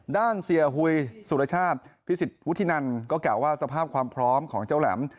ด้านเสียหุยสุรชาติพิสิทธิวุฒินันก็กล่าวว่าสภาพความพร้อมของเจ้าแหลม